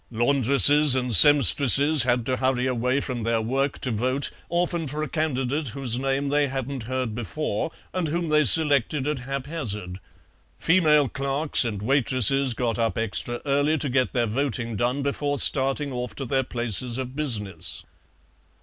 Laundresses and seamstresses had to hurry away from their work to vote, often for a candidate whose name they hadn't heard before, and whom they selected at haphazard; female clerks and waitresses got up extra early to get their voting done before starting off to their places of business.